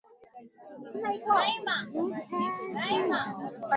kaa tayari kusikiliza makala haya